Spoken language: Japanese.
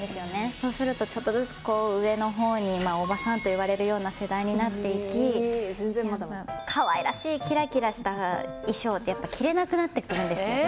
そうするとちょっとずつ上のほうに、おばさんといわれるような世代になっていき、かわいらしいきらきらした衣装って、やっぱ着れなくなってくるんですよ。